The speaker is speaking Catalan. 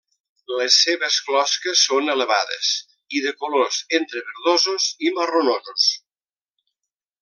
Les seves closques són elevades, i de colors entre verdosos i marronosos.